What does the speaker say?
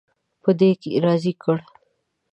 په دې راضي کړ.